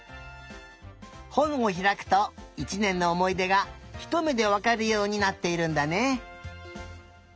ほんをひらくと１ねんのおもいでがひとめでわかるようになっているんだね。